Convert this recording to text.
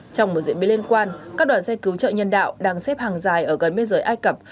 trong một diễn biến liên quan các đoàn xe cứu trợ nhân đạo đang xếp hàng dài ở gần biên giới ai cập